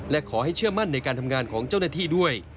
และขอให้เชื่อมั่นในการทำงานของเจ้าหน้าที่ด้วย